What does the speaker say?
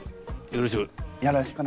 よろしく。